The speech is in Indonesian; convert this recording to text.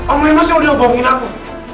om lemos yang udah bohongin aku